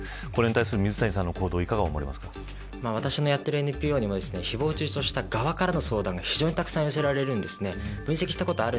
これに対する水谷さんの行動私のやってるＮＰＯにも誹謗中傷した側からの相談が非常にたくさん寄せられます。